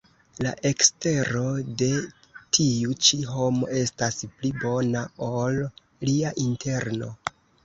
La ekstero de tiu ĉi homo estas pli bona, ol lia interno.